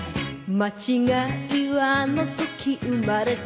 「間違いはあの時生れた」